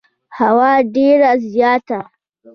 هو، ډیره زیاته